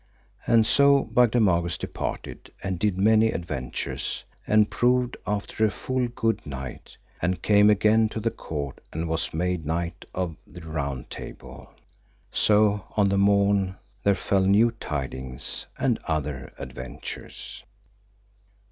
And so Bagdemagus departed and did many adventures, and proved after a full good knight, and came again to the court and was made knight of the Round Table. So on the morn there fell new tidings and other adventures.